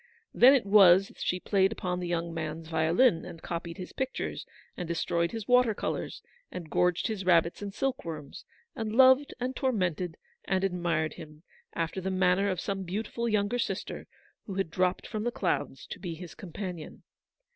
Then it was that she played upon the young man's violin, and copied his pictures, and destroyed his water colours, and gorged his rabbits and silkworms, and loved and tormented, and admired him, after the manner of some beautiful younger sister, who had dropped from the clouds to be his com panion.